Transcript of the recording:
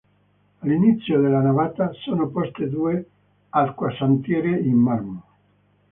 All’inizio della navata sono poste due acquasantiere in marmo.